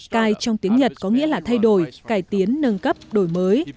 cai trong tiếng nhật có nghĩa là thay đổi cải tiến nâng cấp đổi mới